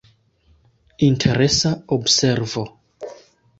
Interesa observo.